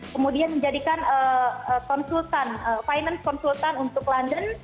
kemudian menjadikan konsultan finance konsultan untuk london